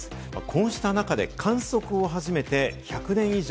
こうした中で観測を始めて１００年以上。